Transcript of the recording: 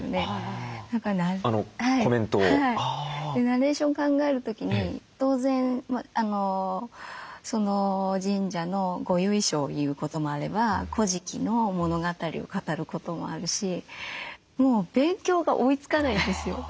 ナレーション考える時に当然その神社のご由緒を言うこともあれば「古事記」の物語を語ることもあるしもう勉強が追いつかないんですよ。